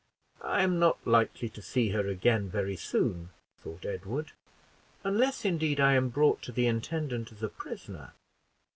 "I am not likely to see her again very soon," thought Edward, "unless, indeed, I am brought to the intendant as a prisoner."